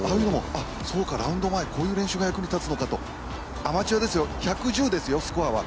そうか、ラウンド前、こういう練習が役に立つのかと、アマチュアですよ１１０ですよ、スコアは。